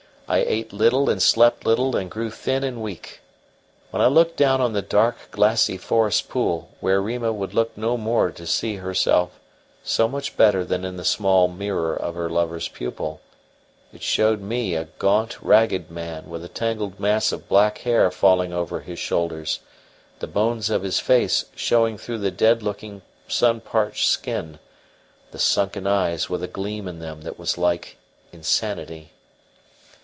I ate little and slept little and grew thin and weak. When I looked down on the dark, glassy forest pool, where Rima would look no more to see herself so much better than in the small mirror of her lover's pupil, it showed me a gaunt, ragged man with a tangled mass of black hair falling over his shoulders, the bones of his face showing through the dead looking, sun parched skin, the sunken eyes with a gleam in them that was like insanity.